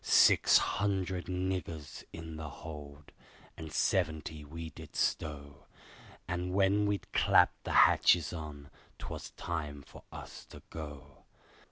Six hundred niggers in the hold, and seventy we did stow, And when we'd clapped the hatches on, 'twas time for us to go.